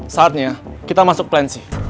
saatnya kita masuk plan c